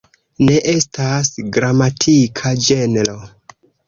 Ne estas gramatika ĝenro.